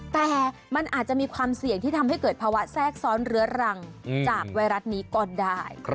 แต่มันอาจจะมีความเสี่ยงที่ทำให้เกิดภาวะแทรกซ้อนเรื้อรังจากไวรัสนี้ก็ได้